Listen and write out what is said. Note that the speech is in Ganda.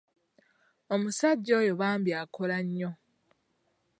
Omusajja oyo bambi akola nnyo.